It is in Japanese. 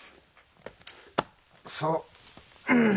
そう。